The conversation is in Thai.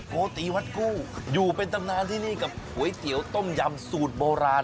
โกติวัดกู้อยู่เป็นตำนานที่นี่กับก๋วยเตี๋ยวต้มยำสูตรโบราณ